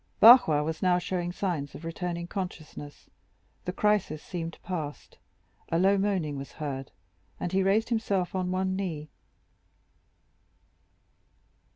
Barrois was now showing signs of returning consciousness. The crisis seemed past, a low moaning was heard, and he raised himself on one knee.